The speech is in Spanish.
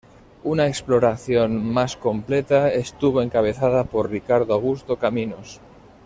Una exploración más completa estuvo encabezada por Ricardo Augusto Caminos.